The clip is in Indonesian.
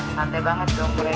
nah santai banget dong mereka